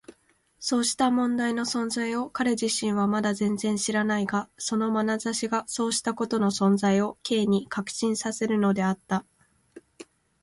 そうした問題の存在を彼自身はまだ全然知らないが、そのまなざしがそうしたことの存在を Ｋ に確信させるのだった。